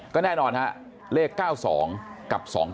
ก็แน่นอนฮะเลข๙๒กับ๒๙